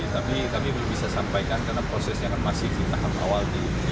tapi kami belum bisa sampaikan karena prosesnya kan masih di tahap awal